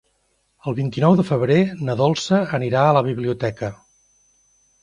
El vint-i-nou de febrer na Dolça anirà a la biblioteca.